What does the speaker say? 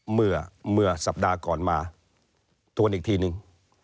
เมื่อสัปดาห์ก่อนมาทวนอีกทีนึง